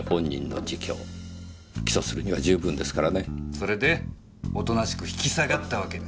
それでおとなしく引き下がったわけだ。